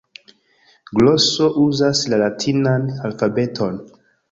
Gloso uzas la latinan alfabeton.